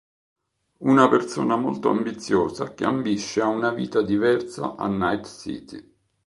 Una persona molto ambiziosa che ambisce a una vita diversa a Night City.